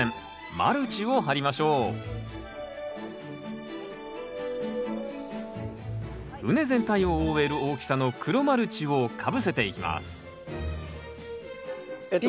マルチを張りましょう畝全体を覆える大きさの黒マルチをかぶせていきますピンと。